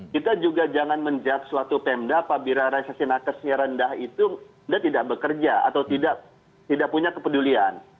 kita juga jangan menjudge suatu pmdapa bila resesi nakasnya rendah itu tidak bekerja atau tidak punya kepedulian